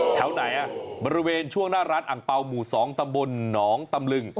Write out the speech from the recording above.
แถวไหนบริเวณช่วงหน้ารถอ่างเปล่าหมู่สองตำบลหนองตำลึง